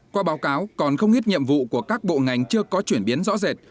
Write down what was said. qua báo cáo còn không ít nhiệm vụ của các bộ ngành chưa có chuyển biến rõ rệt